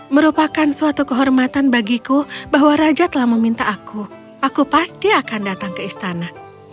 merupakan suatu kehormatan bagiku bahwa raja telah meminta aku aku pasti akan datang ke istana